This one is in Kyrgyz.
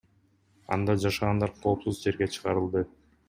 Анда жашагандар коопсуз жерге чыгарылды.